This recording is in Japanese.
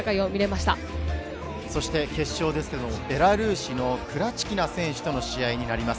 そして、決勝ですけれども、ベラルーシのクラチキナ選手との試合になります。